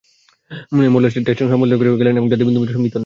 Melbourne test শেষে সংবাদ সম্মেলন করে গেলেন, যাতে বিন্দুমাত্র ইঙ্গিতও নেই।